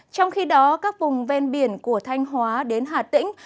trong khi đó các vùng ven biển của thanh hóa đến hà tĩnh